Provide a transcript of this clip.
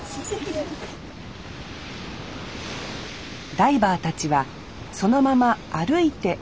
ダイバーたちはそのまま歩いて海へ。